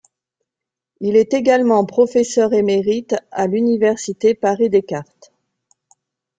Il est également professeur émérite à l'université Paris-Descartes.